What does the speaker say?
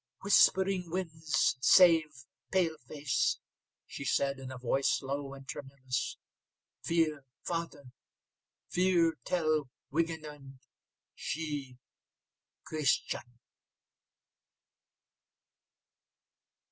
"Whispering Winds save paleface," she said, in a voice low and tremulous. "Fear father. Fear tell Wingenund she Christian."